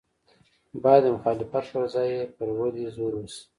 باید د مخالفت پر ځای یې پر ودې زور وشي.